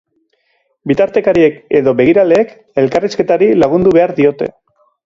Bitartekariek edo begiraleek elkarrizketari lagundu behar diote.